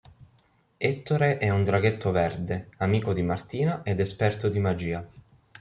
Ettore è un draghetto verde, amico di Martina ed esperto di magia.